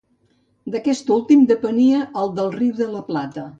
D'aquest últim depenia el del Riu de la Plata.